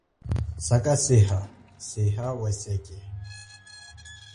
Sakaseha seha wesekele.